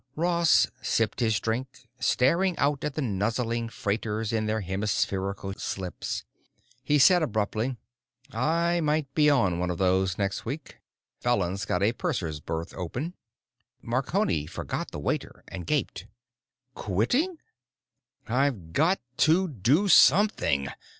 Ross sipped his drink, staring out at the nuzzling freighters in their hemispherical slips. He said abruptly, "I might be on one of those next week. Fallon's got a purser's berth open." Marconi forgot the waiter and gaped. "Quitting?" "I've got to do something!"